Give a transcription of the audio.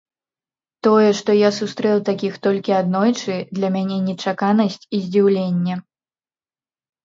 Тое, што я сустрэў такіх толькі аднойчы, для мяне нечаканасць і здзіўленне.